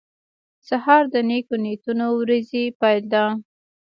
سهار د نیکو نیتونو ورځې پیل دی.